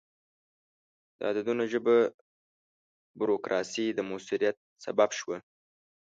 د عددونو ژبه د بروکراسي د موثریت سبب شوه.